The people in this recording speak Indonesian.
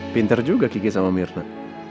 pinter juga kiki sama mirna